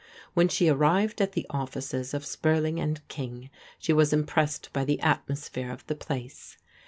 When she arrived at the offices of Spurling and King she was impressed by the atmosphere of the place.